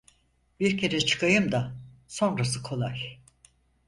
Bir kere çıkayım da, sonrası kolay.